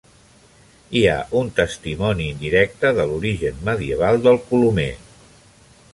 Hi ha un testimoni indirecte de l'origen medieval del colomer.